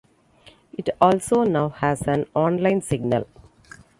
It also now has an online signal.